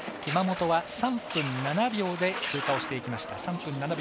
山本は３分７秒で通過をしていきました。